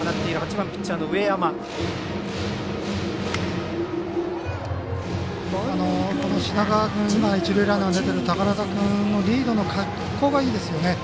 番品川君、一塁ランナーに出ている寳田君のリードの格好がいいですよね。